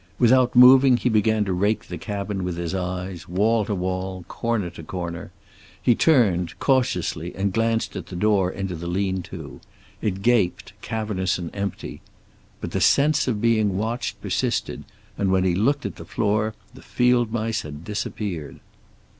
Without moving he began to rake the cabin with his eyes, wall to wall, corner to corner. He turned, cautiously, and glanced at the door into the lean to. It gaped, cavernous and empty. But the sense of being watched persisted, and when he looked at the floor the field mice had disappeared.